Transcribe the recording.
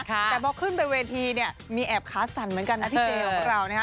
แต่พอขึ้นไปเวทีมีแอบค้าสั่นเหมือนกันนะพี่เจ๋ว